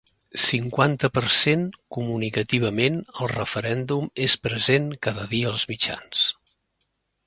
Cinquanta per cent Comunicativament, el referèndum és present cada dia als mitjans.